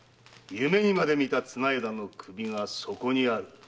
夢にまで見た綱條の首がそこにある。